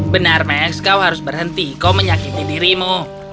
benar max kau harus berhenti kau menyakiti dirimu